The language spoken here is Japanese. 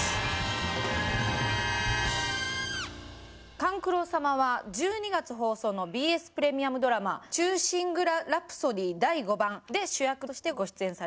勘九郎様は１２月放送のＢＳプレミアムドラマ「忠臣蔵狂詩曲Ｎｏ．５」で主役としてご出演されます。